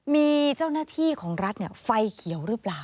มีเจ้าหน้าที่ของรัฐไฟเขียวหรือเปล่า